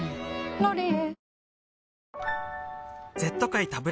「ロリエ」